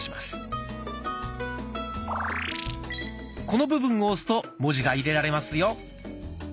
この部分を押すと文字が入れられますよ。